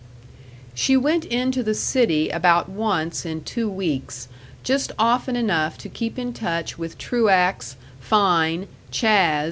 She went into the city about once in two weeks, just often enough to keep in touch with Truax, Fein, Chas.